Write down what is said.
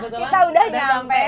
kita sudah sampai